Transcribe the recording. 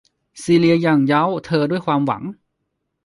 ซีเลียยั่งเย้าเธอด้วยความหวัง